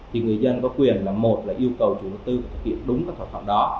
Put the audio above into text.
thì người dân có quyền là một là yêu cầu chủ tư thực hiện đúng cái thỏa thuận đó